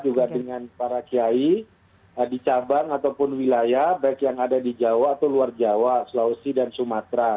juga dengan para kiai di cabang ataupun wilayah baik yang ada di jawa atau luar jawa sulawesi dan sumatera